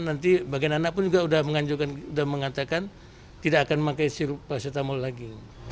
nanti bagian anak pun juga sudah mengatakan tidak akan pakai sirup paracetamol lagi